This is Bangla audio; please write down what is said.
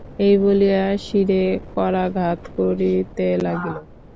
এই বলিয়া শিরে করাঘাত করিতে লাগিল।